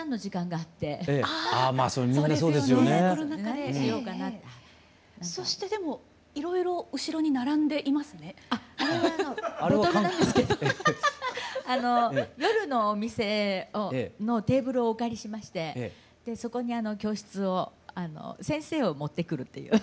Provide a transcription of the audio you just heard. あれはあのボトルなんですけど夜のお店のテーブルをお借りしましてそこに教室を先生を持ってくるっていう。